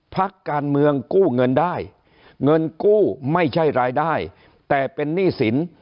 พักการเมืองกู้เงินได้เงินกู้ไม่ใช่รายได้แต่เป็นหนี้สิน